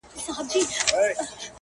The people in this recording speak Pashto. بې له مينې می روزګار په زړه کې ناشته